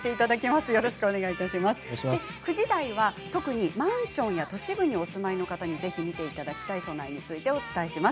そして、９時台は特にマンションや都市部にお住まいの方にぜひ見ていただきたい備えについてお伝えします。